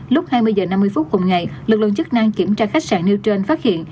lúc hai mươi giờ năm mươi phút cùng ngày lực lượng chức năng kiểm tra khách sạn newton phát hiện